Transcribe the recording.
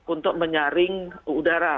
untuk menyaring udara